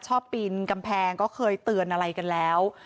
ปีนกำแพงก็เคยเตือนอะไรกันแล้ว